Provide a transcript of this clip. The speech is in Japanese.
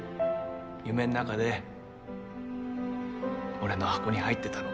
夢ん中で俺の箱に入ってたの。